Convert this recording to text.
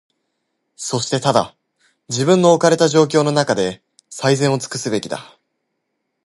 そしてただ、自分の置かれた状況のなかで、最善をつくすべきだ。